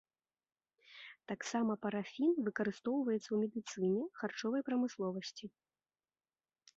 Таксама парафін выкарыстоўваецца ў медыцыне, харчовай прамысловасці.